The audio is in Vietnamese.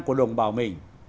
của đồng bào mình